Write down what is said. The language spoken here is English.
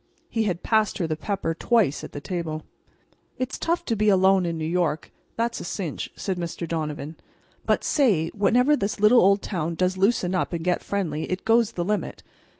He had passed her the pepper twice at the table. "It's tough to be alone in New York—that's a cinch," said Mr. Donovan. "But, say—whenever this little old town does loosen up and get friendly it goes the limit.